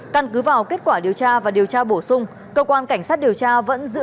căn cứ vào kết quả điều tra và điều tra bổ sung cơ quan cảnh sát điều tra vẫn giữ